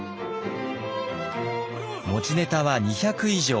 持ちネタは２００以上。